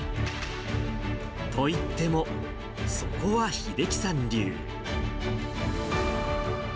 といっても、そこは秀樹さん流。